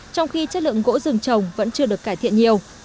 trong khi chất lượng gỗ rừng trồng vẫn chưa được cải thiện nhiều